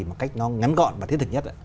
một cách nó ngắn gọn và thiết thực nhất